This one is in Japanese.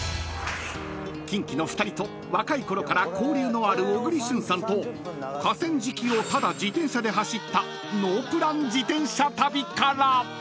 ［キンキの２人と若いころから交流のある小栗旬さんと河川敷をただ自転車で走った］